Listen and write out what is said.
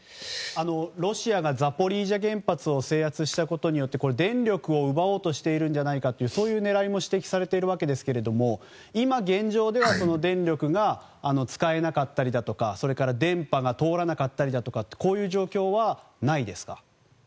ロシアがザポリージャ原発を制圧したことによって電力を奪おうとしているんじゃないかとそういう狙いも指摘されているわけですが今現状では電力が使えなかったりだとかそれから電波が通らなかったりだとかこういう状況はないですか？